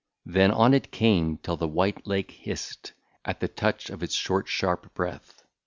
Then on it came, till the white lake hissed. At the touch of its short sharp breath.